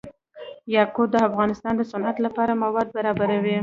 یاقوت د افغانستان د صنعت لپاره مواد برابروي.